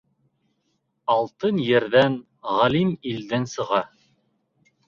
Алтын ерҙән, ғалим илдән сыға.